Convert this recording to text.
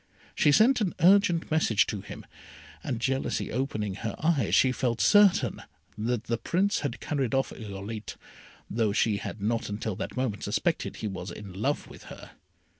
She sent an urgent message to him, and jealousy opening her eyes, she felt certain that the Prince had carried off Irolite, although she had not until that moment suspected he was in love with her.